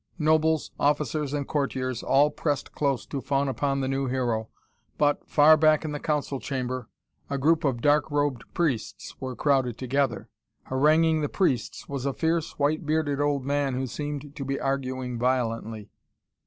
Nobles, officers and courtiers all pressed close to fawn upon the new hero but, far back in the council chamber, a group of dark robed priests were crowded together. Haranguing the priests was a fierce, white bearded old man who seemed to be arguing violently.